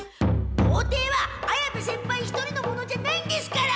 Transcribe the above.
校庭は綾部先輩一人のものじゃないんですから！